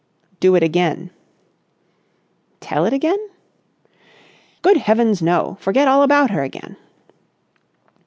"Do it again!" "Tell it again?" "Good heavens, no! Forget all about her again."